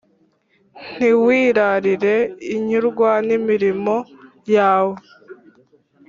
ntiwirarire nyurwa n’imirimo yawe